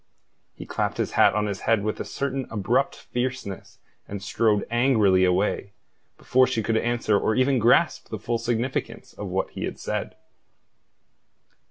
He clapped his hat on his head with a certain abrupt fierceness, and strode angrily away, before she could answer or even grasp the full significance of what he had said.